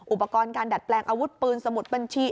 อุปกรณ์การดัดแปลงอาวุธปืนสมุดบัญชี